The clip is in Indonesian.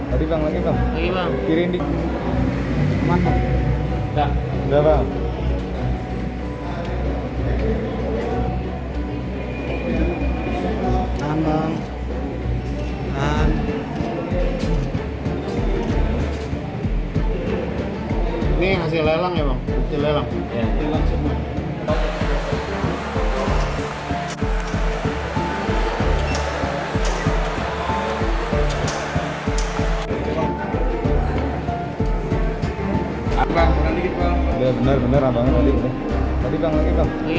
abang abang bener bener abangnya tadi tadi banget